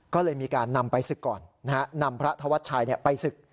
ก็เลยมีการนำไปศึกก่อนนะฮะนำพระธวัชชัยไปศึก